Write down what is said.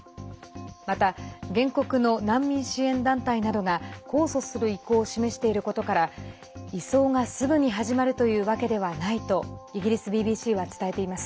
また、原告の難民支援団体などが控訴する意向を示していることから移送が、すぐに始まるというわけではないとイギリスＢＢＣは伝えています。